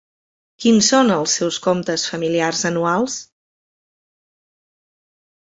Quins són els seus comptes familiars anuals?